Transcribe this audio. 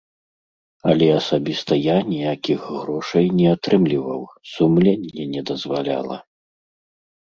Але асабіста я ніякіх грошаў не атрымліваў, сумленне не дазваляла.